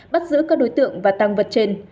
bắt giữ các đối tượng và tăng vật trên